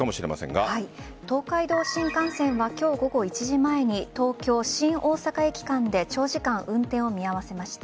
東海道新幹線は今日午後１時前に東京新大阪駅間で長時間、運転を見合わせました。